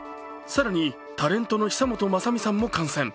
更にタレントの久本雅美も感染。